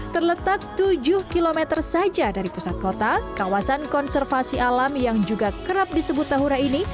terletak tujuh km saja dari pusat kota kawasan konservasi alam yang juga kerap disebut tahura ini